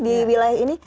di wilayah ini